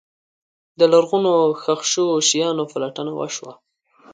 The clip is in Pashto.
د لرغونو ښخ شوو شیانو پلټنه وشوه.